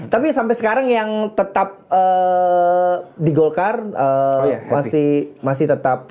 tapi sampai sekarang yang tetap di golkar masih tetap